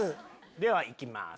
ではいきます！